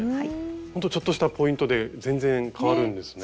ほんとちょっとしたポイントで全然変わるんですね。ね！